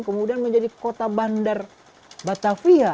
kemudian menjadi kota bandar batavia